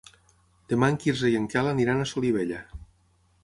Demà en Quirze i en Quel aniran a Solivella.